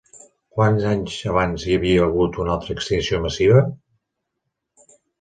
Quants anys abans hi havia hagut una altra extinció massiva?